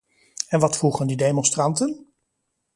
En wat vroegen die demonstranten?